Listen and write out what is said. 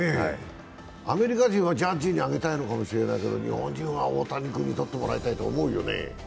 アメリカ人はジャッジにあげたいのかもしれないけど、日本人は大谷君に取ってもらいたいと思うよね。